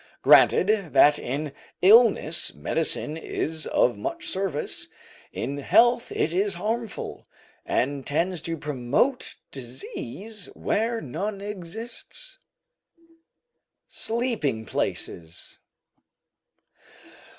Granted that in illness medicine is of much service, in health it is harmful, and tends to promote disease where none exists. SLEEPING PLACES.